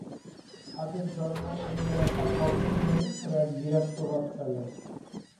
তাদের জন্ম এই এলাকার পর্যটনের উপর এক বিরাট প্রভাব ফেলে।